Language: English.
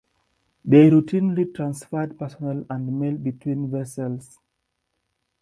They routinely transferred personnel and mail between vessels.